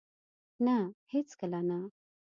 نه! هیڅکله نه